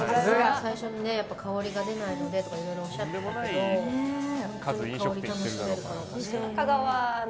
最初の香りが出ないのでとかいろいろおっしゃってたけど香りが楽しめるな。